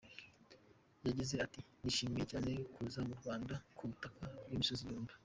Yagize ati “Nishimiye cyane kuza mu Rwanda, ku butaka bw’imisozi igihumbi.